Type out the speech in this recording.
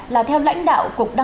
là theo lãnh đạo của quân đội